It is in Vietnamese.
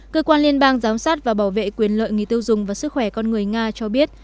cơ quan liên bang giám sát và bảo vệ quyền lợi người tiêu dùng và sức khỏe con người nga cho biết